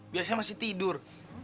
biasanya masih tidur